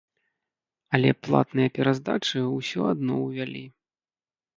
Але платныя пераздачы ўсё адно ўвялі.